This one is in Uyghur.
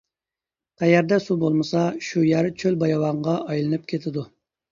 قەيەردە سۇ بولمىسا شۇ يەر چۆل-باياۋانغا ئايلىنىپ كېتىدۇ.